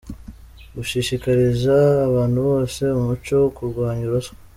Gushishikariza abantu bose umuco wo kurwanya ruswa ;